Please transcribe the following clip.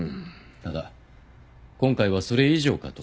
ただ今回はそれ以上かと。